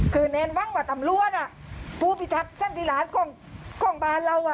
คือแนนว่างว่าตำรวจน่ะผู้บิลัดซันติราชกล้องบาลเรา